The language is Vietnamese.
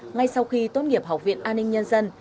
ngay sau khi tốt nghiệp học viện an ninh nhân dân